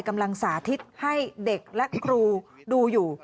กำลังสาธิตให้เด็กและครูดูอยู่